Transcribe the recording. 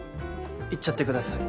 言っちゃってください。